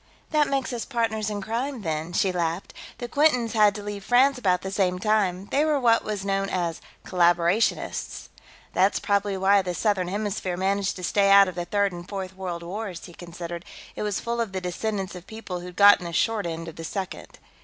"That makes us partners in crime, then," she laughed. "The Quintons had to leave France about the same time; they were what was known as collaborationists." "That's probably why the Southern Hemisphere managed to stay out of the Third and Fourth World Wars," he considered. "It was full of the descendants of people who'd gotten the short end of the Second."